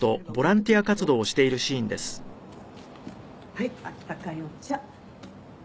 はいあったかいお茶。